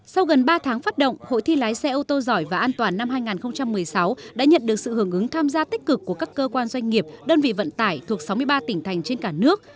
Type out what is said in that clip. sau gần ba tháng phát động hội thi lái xe ô tô giỏi và an toàn năm hai nghìn một mươi sáu đã nhận được sự hưởng ứng tham gia tích cực của các cơ quan doanh nghiệp đơn vị vận tải thuộc sáu mươi ba tỉnh thành trên cả nước